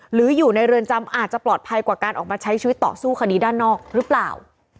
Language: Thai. หรืออยู่ในเรือนจำอาจจะปลอดภัยกว่าการออกมาใช้ชีวิตต่อสู้คดีด้านนอกหรือเปล่า